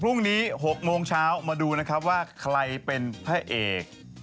พรุ่งนี้๖โมงเช้ามาดูนะครับว่าใครเป็นพระเอก